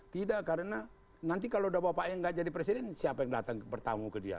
tidak karena nanti kalau udah bapak yang gak jadi presiden siapa yang datang bertamu ke dia